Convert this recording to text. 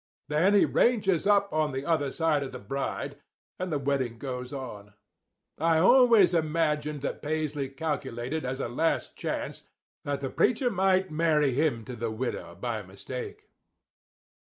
Then he ranges up on the other side of the bride, and the wedding goes on. I always imagined that Paisley calculated as a last chance that the preacher might marry him to the widow by mistake.